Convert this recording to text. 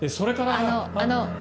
あのあの。